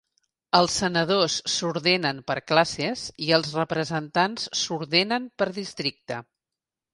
Els senadors s"ordenen per classes i els representants s"ordenen per districte.